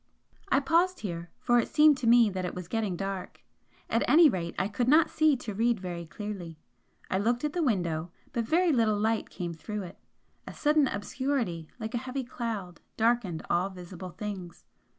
I paused here, for it seemed to me that it was getting dark, at any rate I could not see to read very clearly. I looked at the window, but very little light came through it, a sudden obscurity, like a heavy cloud, darkened all visible things.